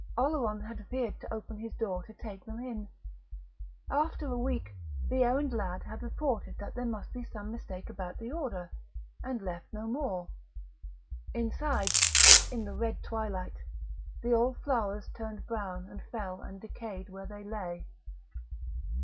Oleron had feared to open his door to take them in. After a week, the errand lads had reported that there must be some mistake about the order, and had left no more. Inside, in the red twilight, the old flowers turned brown and fell and decayed where they lay.